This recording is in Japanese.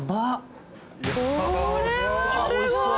これはすごい。